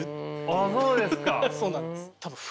あっそうですか。